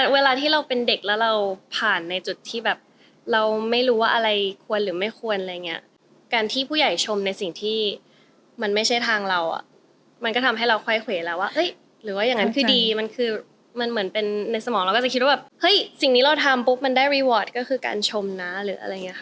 เวลาที่เราเป็นเด็กแล้วเราผ่านในจุดที่แบบเราไม่รู้ว่าอะไรควรหรือไม่ควรอะไรอย่างเงี้ยการที่ผู้ใหญ่ชมในสิ่งที่มันไม่ใช่ทางเราอ่ะมันก็ทำให้เราค่อยเขวแล้วว่าเฮ้ยหรือว่าอย่างนั้นคือดีมันคือมันเหมือนเป็นในสมองเราก็จะคิดว่าแบบเฮ้ยสิ่งนี้เราทำปุ๊บมันได้รีวอร์ทก็คือการชมนะหรืออะไรอย่างนี้ค่ะ